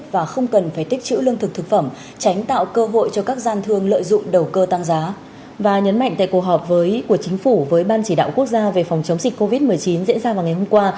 và nhấn mạnh tại cuộc họp của chính phủ với ban chỉ đạo quốc gia về phòng chống dịch covid một mươi chín diễn ra vào ngày hôm qua